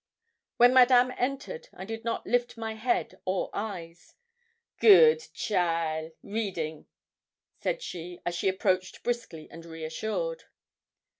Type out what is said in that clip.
When Madame entered, I did not lift my head or eyes. 'Good cheaile! reading,' said she, as she approached briskly and reassured.